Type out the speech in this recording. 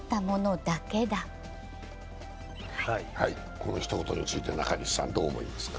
このひと言について中西さんどう思いますか？